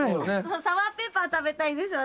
サワーペーパー食べたいんですよ